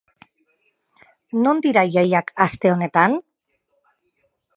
Non dira jaiak aste honetan?